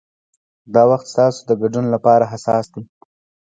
دا وخت ستاسو د ګډون لپاره حساس دی.